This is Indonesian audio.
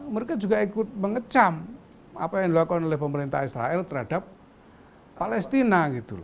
mereka juga ikut mengecam apa yang dilakukan oleh pemerintah israel terhadap palestina